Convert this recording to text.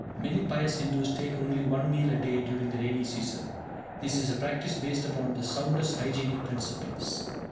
Many pious Hindus take only one meal a day during the rainy season. This is a practice based upon the soundest hygienic principles.